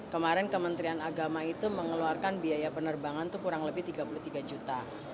kemarin kementerian agama itu mengeluarkan biaya penerbangan itu kurang lebih tiga puluh tiga juta